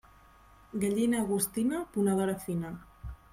Gallina agostina, ponedora fina.